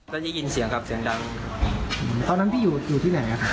ก็ได้ยินเสียงครับเสียงดังตอนนั้นพี่อยู่อยู่ที่ไหนอ่ะครับ